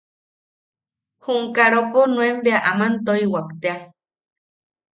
jum karopo nuen bea aman toiwak tea.